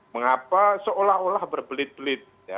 mengapa seolah olah berbelit belit